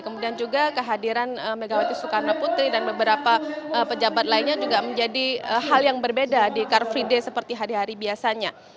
kemudian juga kehadiran megawati soekarno putri dan beberapa pejabat lainnya juga menjadi hal yang berbeda di car free day seperti hari hari biasanya